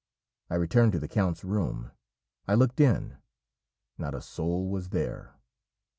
I returned to the count's room. I looked in not a soul was there!